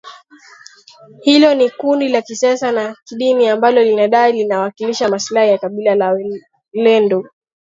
Hilo ni kundi la kisiasa na kidini ambalo linadai linawakilisha maslahi ya kabila la walendu